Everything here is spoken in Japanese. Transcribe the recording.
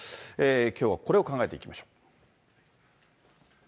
きょうはこれを考えていきましょう。